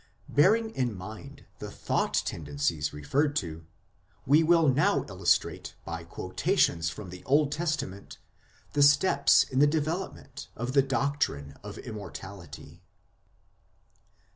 Bearing in mind the thought tendencies referred to, we will now illustrate by quotations from the Old Testament the steps in the development of the doctrine of Immortality.